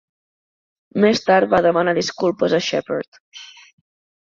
Més tard va demanar disculpes a Sheppard.